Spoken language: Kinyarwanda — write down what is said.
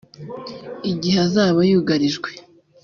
Igihe azaba yugarijwe